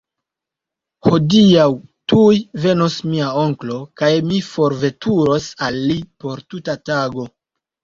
Hodiaŭ, tuj, venos mia onklo kaj ni forveturos al li por tuta tago.